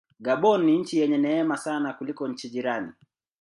Gabon ni nchi yenye neema sana kuliko nchi jirani.